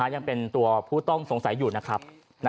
ยังเป็นตัวผู้ต้องสงสัยอยู่นะครับ